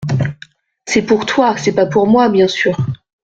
C’est pour toi, c’est pas pour moi, bien sûr !